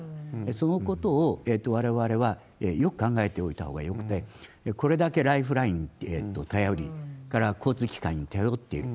そのことをわれわれはよく考えておいたほうがよくて、これだけライフラインに頼り、それから交通機関に頼っている。